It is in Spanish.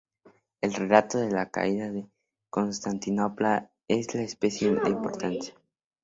El relato de la caída de Constantinopla es de especial importancia.